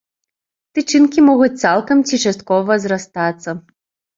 Тычынкі могуць цалкам ці часткова зрастацца.